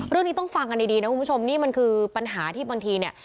เรื่องนี้ต้องฟังกันดีนะคุณผู้ชมนี่มันคือปัญหาที่บางทีเนี่ย